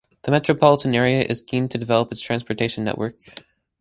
The Metropolitan area is keen to develop its transportation network.